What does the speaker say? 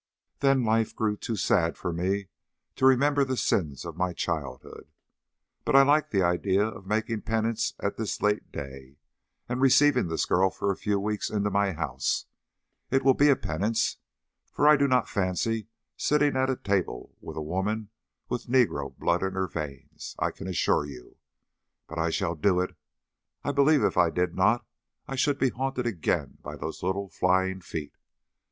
Then life grew too sad for me to remember the sins of my childhood. But I like the idea of making penance at this late day and receiving this girl for a few weeks into my house: it will be a penance, for I do not fancy sitting at the table with a woman with negro blood in her veins, I can assure you. But I shall do it. I believe if I did not I should be haunted again by those little flying feet.